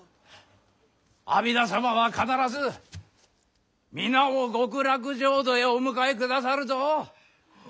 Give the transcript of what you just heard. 阿弥陀様は必ず皆を極楽浄土へお迎えくださるぞ！